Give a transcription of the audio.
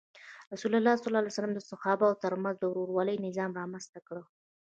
رسول الله د صحابه وو تر منځ د ورورولۍ نظام رامنځته کړ.